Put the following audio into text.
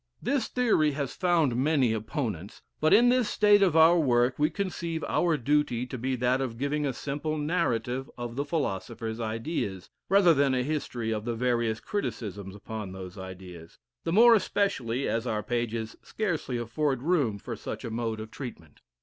This theory has found many opponents; but in this state of our work we conceive our duty to be that of giving a simple narrative of the philosopher's ideas, rather than a history of the various criticisms upon those ideas, the more especially as our pages scarcely afford room for such a mode of treatment.